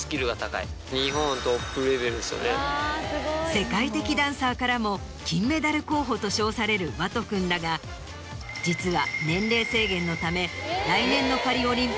世界的ダンサーからも金メダル候補と称される湧都くんだが実は。